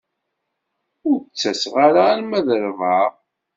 Ur d-ttaseɣ ara arma d ṛṛebɛa.